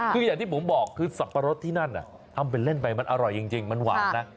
คืออย่างที่ผมบอกคือสับปะรดที่นั่นทำเป็นเล่นไปมันอร่อยจริงมันหวานนะ